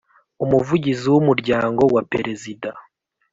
Umuvugizi w umuryango wa perezida